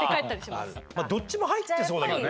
どっちも入ってそうだけどね。